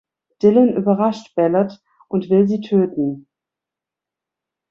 Dillon überrascht Ballard und will sie töten.